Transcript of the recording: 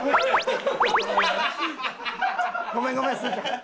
ごめんごめんすずちゃん。